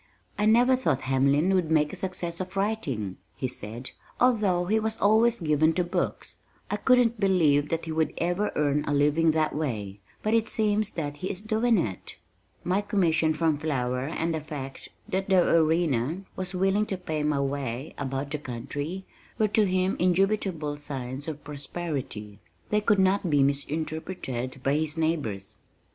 "I never thought Hamlin would make a success of writing," he said, "although he was always given to books. I couldn't believe that he would ever earn a living that way, but it seems that he is doing it." My commission from Flower and the fact that the Arena was willing to pay my way about the country, were to him indubitable signs of prosperity. They could not be misinterpreted by his neighbors.